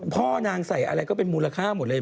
พ่อนางใส่อะไรก็เป็นมูลค่าหมดเลย